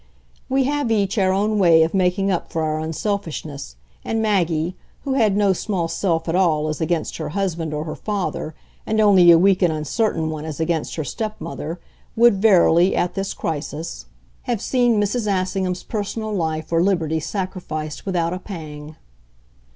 We have each our own way of making up for our unselfishness, and Maggie, who had no small self at all as against her husband or her father and only a weak and uncertain one as against her stepmother, would verily, at this crisis, have seen Mrs. Assingham's personal life or liberty sacrificed without a pang.